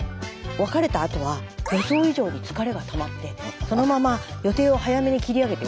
別れたあとは予想以上に疲れがたまってそのまま予定を早めに切り上げて大阪に帰ったそうです。